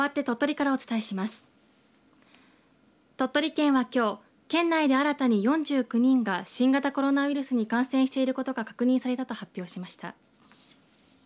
鳥取県は、きょう県内で新たに４９人が新型コロナウイルスに感染していることが確認されたと発表しました。